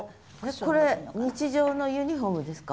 これ日常のユニフォームですか？